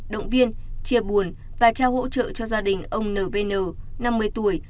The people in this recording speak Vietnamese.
động viên chia buồn và trao hỗ trợ cho gia đình ông n v n năm mươi tuổi